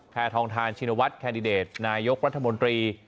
ทองทานชินวัฒน์แคนดิเดตนายกรัฐมนตรี